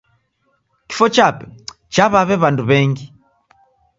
Kifwa chape chaw'aw'e w'andu w'engi.